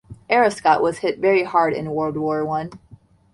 Aarschot was hit very hard in World War One.